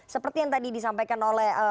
seperti yang tadi disampaikan oleh